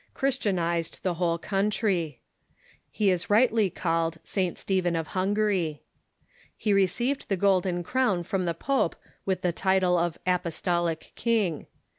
Christianized the whole country. He is rightly called St. Stephen of Hungary. He received the golden crown from the pope with the title of apostolic king.